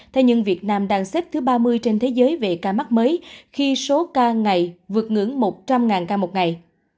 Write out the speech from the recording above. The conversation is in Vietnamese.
thế nhưng việt nam đang xếp thứ ba mươi trên thế giới về ca mắc mới khi số ca ngày vượt ngưỡng một trăm linh ca một ngày